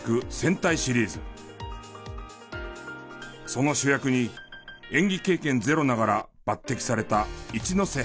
その主役に演技経験ゼロながら抜擢された一ノ瀬颯。